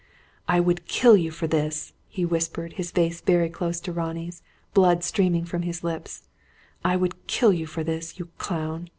"I would kill you for this," he whispered, his face very close to Ronnie's; blood streaming from his lip. "I would kill you for this, you clown!